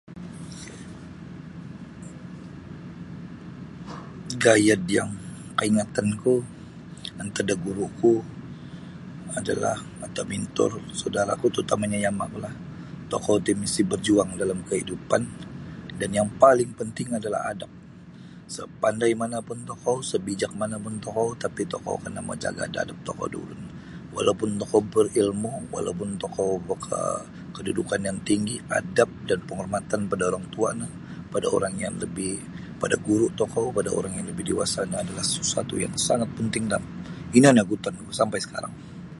Gayad yang kaingatanku antad da guru'ku adalah atau mentor saudara'ku tarutama' nyo yama'kulah tokou ti misti bajuang dalam kaidupan dan yang paling penting adalah adab sapandai mana' pun tokou sabijak mana' pun tokou tapi tokou kana' mau jaga' da adab tokou da ulun walaupun tokou berilmu walaupun tokou boka kedudukan yang tinggi adab dan penghormatan pada orang tua no pada orang yang lebih pada guru' tokou pada orang yang lebih dewasa no adalah sesuatu' yang sangat penting dan ino nio guutonku sampai sakarang.